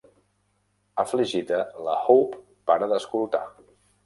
Afligida, la Hope para d'escoltar.